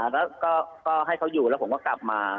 แล้วก็ให้เขาอยู่แล้วผมก็กลับมา